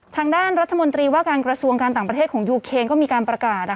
ทางด้านรัฐมนตรีว่าการกระทรวงการต่างประเทศของยูเคนก็มีการประกาศ